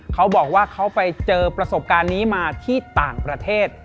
เขาบอกว่าเขาไปเจอประสบการณ์นี้มาที่ต่างประเทศ